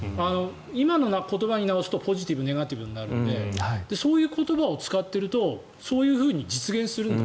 今の言葉に直すとポジティブ、ネガティブになるのでそういう言葉を使っているとそういうふうに実現する。